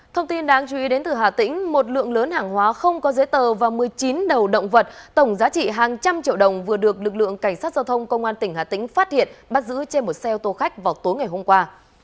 thông tin đáng chú ý đến từ hà tĩnh một lượng lớn hàng hóa không có giấy tờ và một mươi chín đầu động vật tổng giá trị hàng trăm triệu đồng vừa được lực lượng cảnh sát giao thông công an tỉnh hà tĩnh phát hiện bắt giữ trên một xe ô tô khách vào tối ngày hôm qua